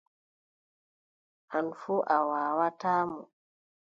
An fuu a waawataa mo.